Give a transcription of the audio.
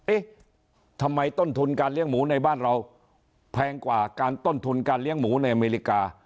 เอ๊ะทำไมต้นทุนการเลี้ยงหมูในบ้านเราแพงกว่าการต้นทุนการเลี้ยงหมูในอเมริกา